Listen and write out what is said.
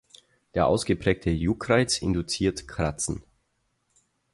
Der ausgeprägte Juckreiz induziert Kratzen.